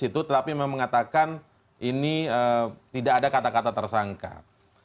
tetapi memang mengatakan ini tidak ada kata kata tersangka